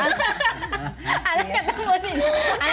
anak ketemu di jalan